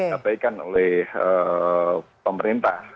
dihabaikan oleh pemerintah